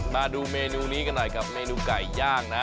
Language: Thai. มาดูเมนูนี้กันหน่อยกับเมนูไก่ย่างนะ